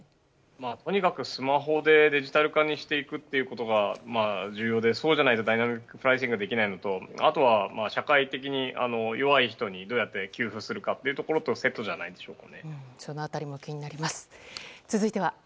とにかく、スマホでデジタル化にしていくことが重要で、そうじゃないとダイナミック・プライシングができないのとあとは社会的に弱い人にどうやって給付するかというところとその辺りも気になります。